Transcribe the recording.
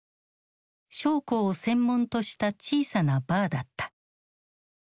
将校を専門とした小さなバーだった。